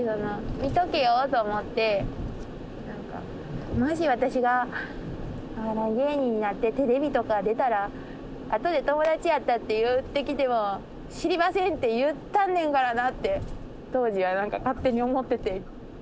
まあもし私がお笑い芸人になってテレビとか出たらあとで「友達やった」って言ってきても「知りません」って言ったんねんからなって当時は何か勝手に思ってて。